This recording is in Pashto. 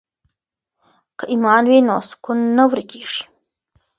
که ایمان وي نو سکون نه ورکیږي.